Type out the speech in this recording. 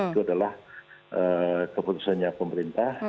itu adalah keputusannya pemerintah